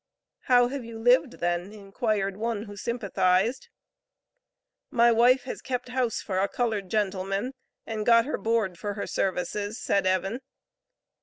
"How have you lived then?" inquired one who sympathized. "My wife has kept house for a colored gentleman, and got her board for her services," said Evan.